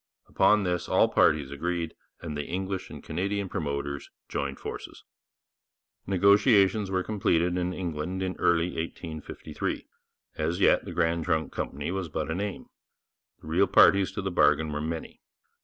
Upon this all parties agreed, and the English and Canadian promoters joined forces. Negotiations were completed in England early in 1853. As yet the Grand Trunk Company was but a name. The real parties to the bargain were many.